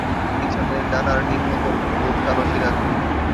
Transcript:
পিছনের ডানার নিম্নতল হলুদ কালো শিরা যুক্ত।